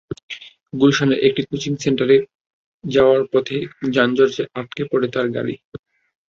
গুলশানের একটি কোচিং সেন্টারে যাওয়ার পথে যানজটে আটকে পড়ে তার গাড়ি।